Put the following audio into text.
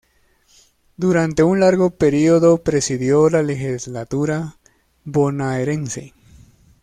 Durante un largo período presidió la legislatura bonaerense.